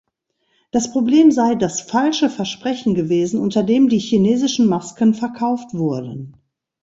Das Problem sei das "falsche Versprechen" gewesen unter dem die chinesischen Masken verkauft wurden.